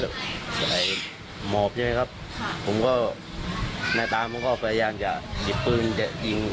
อะไรหมอบใช่ไหมครับผมก็หน้าตามันก็พยายามจะหยิบปืนจะยิง